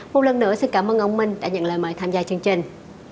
một lần nữa xin cảm ơn ông minh đã nhận lời mời tham gia chương trình